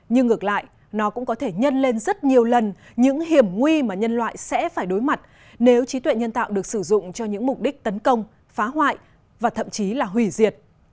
nhưng ngược lại nó cũng có thể nhân lên rất nhiều lần những hiểm nguy mà nhân loại sẽ phải đối mặt nếu trí tuệ nhân tạo được sử dụng cho những mục đích tấn công phá hoại và thậm chí là hủy diệt